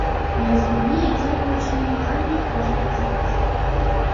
Развіднее дзякуючы намаганням кожнага з нас.